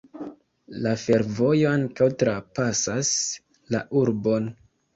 La fervojo ankaŭ trapasas la urbon.